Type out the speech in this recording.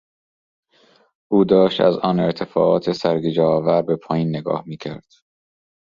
او داشت از آن ارتفاعات سرگیجهآور به پایین نگاه میکرد.